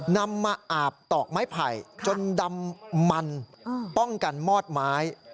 นำมาอาบตอกไม้ไผ่จนดำมันป้องกันมอดไม้